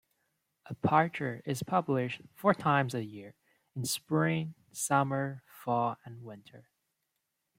"Aperture" is published four times a year, in Spring, Summer, Fall, and Winter.